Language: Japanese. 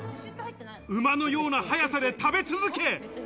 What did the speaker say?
馬のような速さで食べ続け。